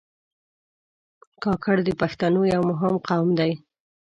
کاکړ د پښتنو یو مهم قوم دی.